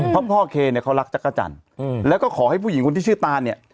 เพราะพ่อเคเนี่ยเขารักจักรจันทร์แล้วก็ขอให้ผู้หญิงคนที่ชื่อตานเนี่ย